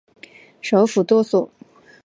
首府多索。